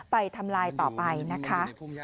ทำลายต่อไปนะคะ